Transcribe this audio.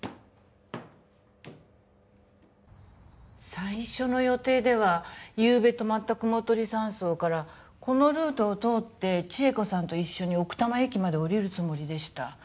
最初の予定ではゆうべ泊まった雲取山荘からこのルートを通って千恵子さんと一緒に奥多摩駅まで下りるつもりでした。